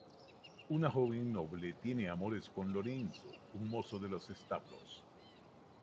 Una joven noble tiene amores con Lorenzo, un mozo de los establos.